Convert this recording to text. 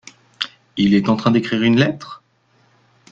Il est en train d’écrire une lettre ?